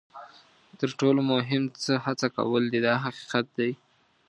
تر ټولو مهم څه هڅه کول دي دا حقیقت دی.